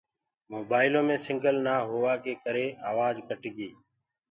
موبآئيلو مي سگنل نآ هوآ ڪي ڪري آوآج ڪٽ گي۔